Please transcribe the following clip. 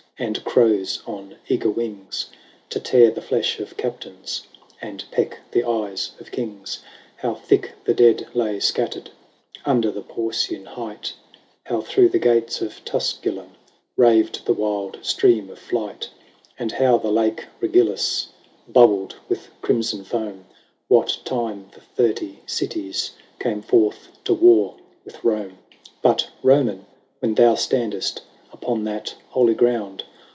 And crows on eager wings, To tear the flesh of captains, And peck the eyes of kings ; How thick the dead lay scattered Under the Porcian height ; How through the gates of Tusculum Raved the wild stream of flight ; And how the Lake Regillus Bubbled with crimson foam. What time the Thirty Cities Came forth to war with Rome. IV. But, Roman, when thou standest Upon that holy ground.